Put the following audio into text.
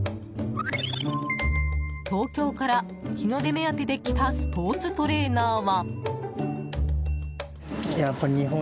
東京から日の出目当てで来たスポーツトレーナーは。